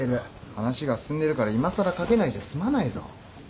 話が進んでるからいまさら書けないじゃ済まないぞ。